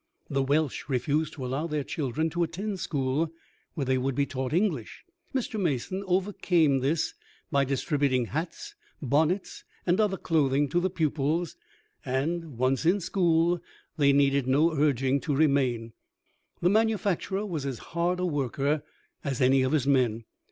The Welsh refused to allow their children to attend school where they would be taught English. Mr. Mason overcame this by distributing hats, bonnets, and other clothing to the pupils, and, once in school, they needed no urging to remain. The manufacturer was as hard a worker as any of his men.